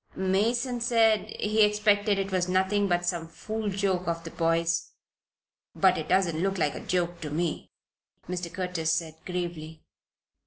"Mason said he expected it was nothing but some fool joke of the boys. But it doesn't look like a joke to me," Mr. Curtis said, gravely.